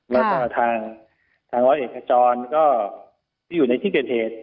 แล้วก็ทางร้อยเอกจรก็ที่อยู่ในที่เกิดเหตุ